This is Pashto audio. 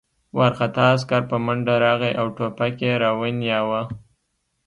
وارخطا عسکر په منډه راغی او ټوپک یې را ونیاوه